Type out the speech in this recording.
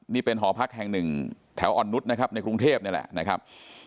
นี่เป็นหอพักแห่งหนึ่งแถวอ่อนนุษย์นะครับในกรุงเทพนี่แหละนะครับ